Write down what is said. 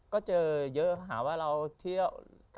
ก็เจอเยอะหาว่าเราเที่ยว